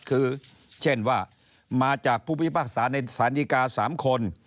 คือเช่นว่ามาจากผู้พิพากษาในศาลดีกา๓คน